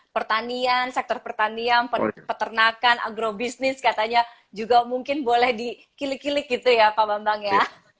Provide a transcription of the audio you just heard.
pertanian sektor pertanian peternakan agrobisnis katanya juga mungkin boleh di kilik kilik gitu ya pak bambang ya